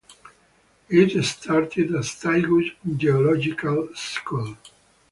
It started as Taigu Geological School.